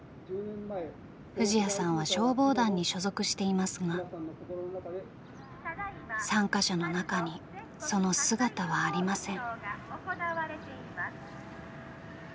藤彌さんは消防団に所属していますが参加者の中にその姿はありません。